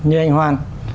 như anh hoan